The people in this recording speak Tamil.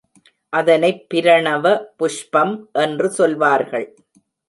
அதனைப் பிரணவ புஷ்பம் என்று சொல்வார்கள்.